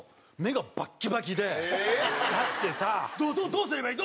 「どうすればいい？